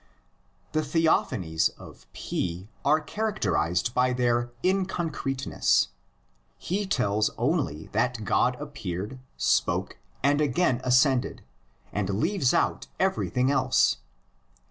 CODEX AND FINAL REDACTION. 151 The theophanies of P are characterised by their inconcreteness; he tells only that God appeared, spoke, and again ascended, and leaves out every thing else.